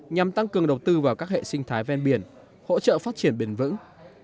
nhằm tăng cường đầu tư vào các hệ sinh thái ven biển hỗ trợ phát triển bền vững